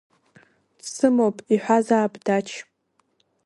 Дсымоуп, иҳәазаап Дач.